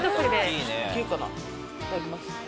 いただきます。